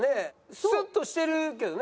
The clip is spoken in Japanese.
スッとしてるけどね。